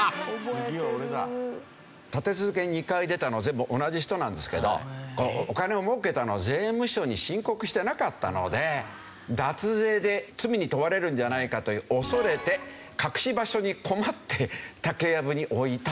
立て続けに２回出たの全部同じ人なんですけどお金をもうけたのを税務署に申告してなかったので脱税で罪に問われるんじゃないかと恐れて隠し場所に困って竹やぶに置いたという事件。